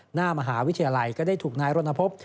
หน้ามหาวิทยาลัยก็ได้ถูกนายรณพบ